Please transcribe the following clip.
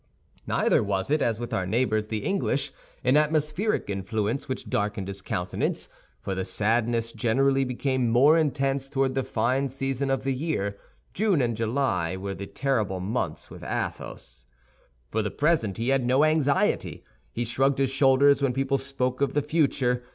Neither was it, as with our neighbors, the English, an atmospheric influence which darkened his countenance; for the sadness generally became more intense toward the fine season of the year. June and July were the terrible months with Athos. For the present he had no anxiety. He shrugged his shoulders when people spoke of the future.